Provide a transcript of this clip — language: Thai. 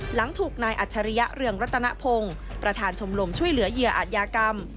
หลังถูกนายอัจฉริยะเรืองรัตนพงศ์ประธานชมรมช่วยเหลือเหยื่ออาจยากรรม